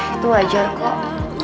itu wajar kok